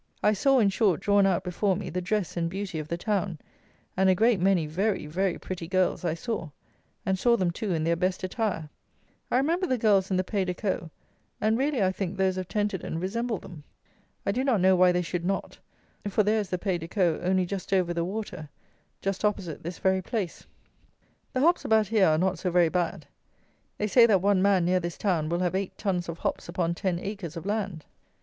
_ I saw, in short, drawn out before me, the dress and beauty of the town; and a great many very, very pretty girls I saw; and saw them, too, in their best attire. I remember the girls in the Pays de Caux, and, really, I think those of Tenterden resemble them. I do not know why they should not; for there is the Pays de Caux only just over the water, just opposite this very place. The hops about here are not so very bad. They say that one man, near this town, will have eight tons of hops upon ten acres of land!